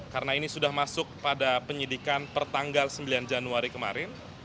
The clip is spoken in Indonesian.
karena ini sudah masuk pada penyidikan pertanggal sembilan januari kemarin